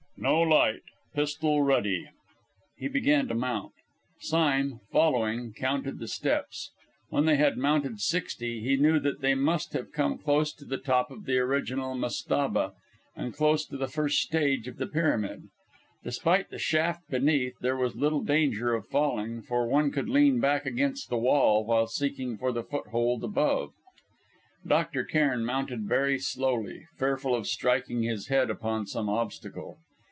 "No light pistol ready!" He began to mount. Sime, following, counted the steps. When they had mounted sixty he knew that they must have come close to the top of the original mastabah, and close to the first stage of the pyramid. Despite the shaft beneath, there was little danger of falling, for one could lean back against the wall while seeking for the foothold above. Dr. Cairn mounted very slowly, fearful of striking his head upon some obstacle.